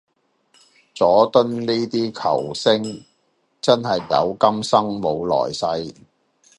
佐敦呢啲球星真係有今生冇來世